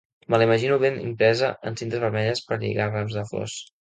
Me la imagino ben impresa en cintes vermelles per lligar rams de flors.